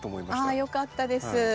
あよかったです。